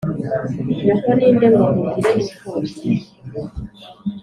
nyoko ninde ngo nkugire imfubyi?